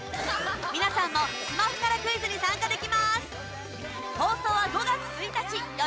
皆さんもスマホからクイズに参加できます。